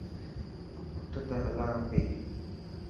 اوٺ ته هلان اپي.